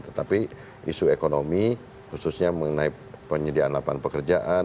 tetapi isu ekonomi khususnya mengenai penyediaan lapangan pekerjaan